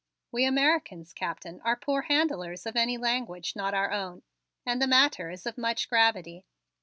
We Americans, Captain, are poor handlers of any language not our own, and the matter is of much gravity."